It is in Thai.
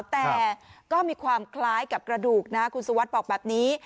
แต่ก็มีความคล้ายกับกระดูกนะคุณสุวัสดิ์บอกแบบนี้